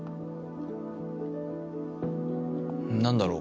何だろう？